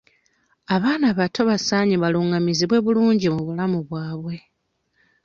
Abaana abato basaanye balungamizibwe bulungi mu bulamu bwabwe.